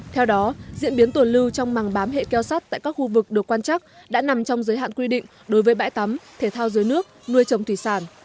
theo đó diễn biến tuần lưu trong màng bám hệ keo sắt tại các khu vực được quan chắc đã nằm trong giới hạn quy định đối với bãi tắm thể thao dưới nước nuôi trồng thủy sản